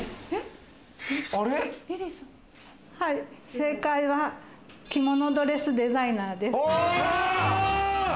正解は、着物ドレスデザイナーです。